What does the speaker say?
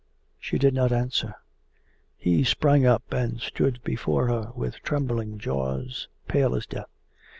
She did not answer. He sprang up and stood before her with trembling jaws, pale as death.